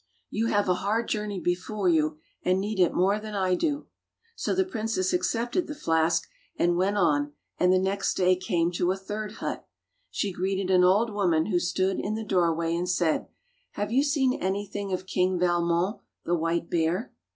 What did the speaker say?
"You have a hard journey before you and need it more than I do." So the princess accepted the flask and went on, and the next day came to a third hut. She greeted an old woman who stood in the doorway, and said, "Have you seen anything of King Valmon, the white bear.